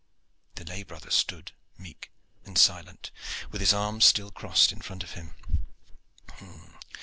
The lay brother stood meek and silent, with his arms still crossed in front of him.